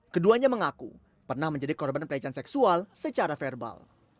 keduanya mengaku pernah menjadi korban pelecehan seksual secara verbal